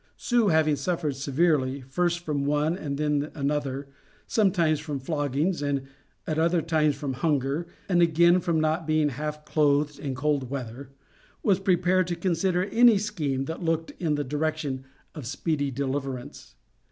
"Sue" having suffered severely, first from one and then another, sometimes from floggings, and at other times from hunger, and again from not being half clothed in cold weather, was prepared to consider any scheme that looked in the direction of speedy deliverance.